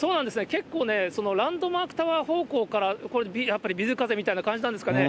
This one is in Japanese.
結構ね、そのランドマークタワー方向から、やっぱりビル風みたいな感じなんですかね。